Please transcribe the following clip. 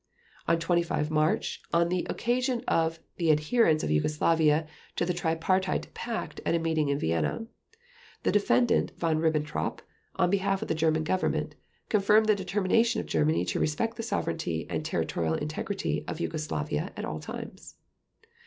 On 25 March, on the occasion of the adherence of Yugoslavia to the Tripartite Pact at a meeting in Vienna, the Defendant Von Ribbentrop, on behalf of the German Government, confirmed the determination of Germany to respect the sovereignty and territorial integrity of Yugoslavia at all times.